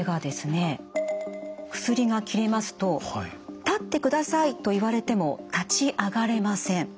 薬が切れますと立ってくださいと言われても立ち上がれません。